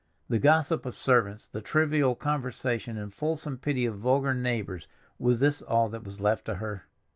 The gossip of servants, the trivial conversation and fulsome pity of vulgar neighbors, was this all that was left to her?